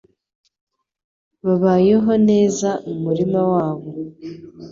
Babayeho neza mu murima wabo.